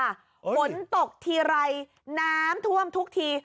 ฝนตกทีไรน้ำท่วมทุกที